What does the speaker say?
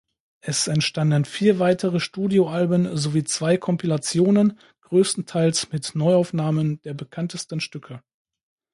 Es entstanden vier weitere Studioalben sowie zwei Kompilationen, größtenteils mit Neuaufnahmen der bekanntesten Stücke.